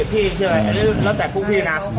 พี่เชื่ออะไรแล้วแต่พวกพี่นะ